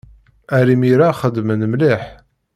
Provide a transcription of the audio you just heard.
Ar imir-a, xedmen mliḥ.